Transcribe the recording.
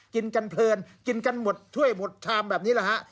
กินกันเพลินกินกันหมดถ้วยหมดชามแบบนี้แหละฮะ